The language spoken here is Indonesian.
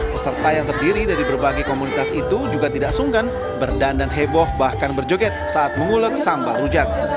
peserta yang terdiri dari berbagai komunitas itu juga tidak sungkan berdandan heboh bahkan berjoget saat mengulek sampah rujak